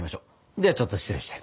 ではちょっと失礼して。